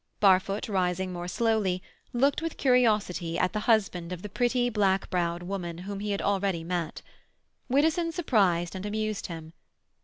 Barfoot, rising more slowly, looked with curiosity at the husband of the pretty, black browed woman whom he had already met. Widdowson surprised and amused him.